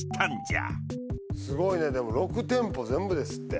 すごいねでも６店舗全部ですって。